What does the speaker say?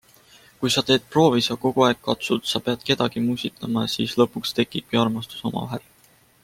Kui sa teed proovi, sa kogu aeg katsud, sa pead kedagi musitama - siis lõpuks tekibki armastus omavahel.